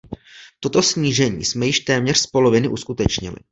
Toto snížení jsme již téměř z poloviny uskutečnili.